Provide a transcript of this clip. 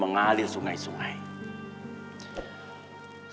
nanti babu kagak beras